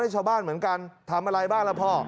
ชาวบ้านเหมือนกันทำอะไรบ้างล่ะพ่อ